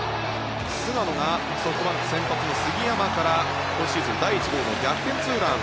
菅野がソフトバンク先発の杉山から今シーズン第１号の逆転ツーラン。